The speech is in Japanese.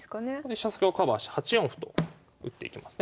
飛車先をカバーして８四歩と打っていきますね。